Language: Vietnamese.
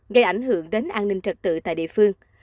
gây ảnh hưởng đến an ninh trật tự tại địa phương